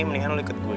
mendingan lo ikut gue